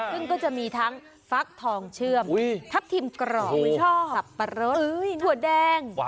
ซึ่งก็จะมีทั้งฟักทองเชื่อมทับทิมกรอบสับปะรดถั่วแดง